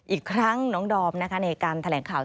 อีกครั้งน้องดอมนะคะในการแถลงข่าว